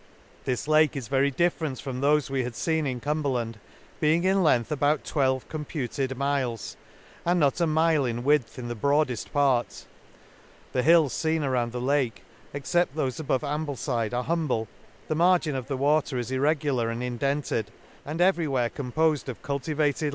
— This Lake is very different from thofe we had {qcxi in Cumberland, being in length about twelve computed miles, and not a mile in width in the broadefl partj — the hills £een around the Lake, except thofe above Amblefide, are humble ;— the mar* gin of the water is irregular and indented, and every where compofed of cultivated lands, the Lakes.